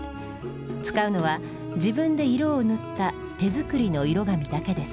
使うのは自分で色を塗った手作りの色紙だけです。